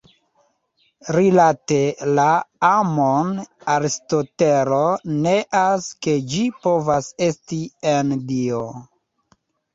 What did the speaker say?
Rilate la amon Aristotelo neas ke ĝi povas esti en Dio.